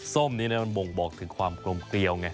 ส้มนี้มันบ่งบอกถึงความกลมเกลียวไง